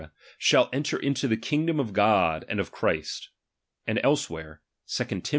shall enter into the kingdom of God, and of Christ: and elsewhere (2 Tim.